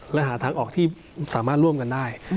และหาทางออกที่สามารถร่วมกันได้